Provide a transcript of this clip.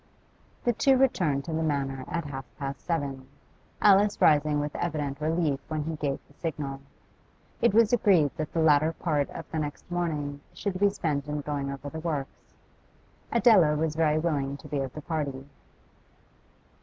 The two returned to the Manor at half past seven, Alice rising with evident relief when he gave the signal. It was agreed that the latter part of the next morning should be spent in going over the works. Adela was very willing to be of the party.